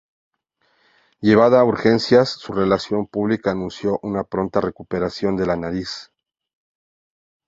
Llevada a urgencias, su relaciones públicas anunció una pronta recuperación de la actriz.